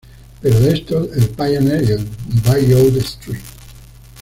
Pero de estos, el "Pioneer" y "Bayou St.